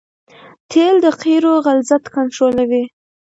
تیل د قیرو غلظت کنټرولوي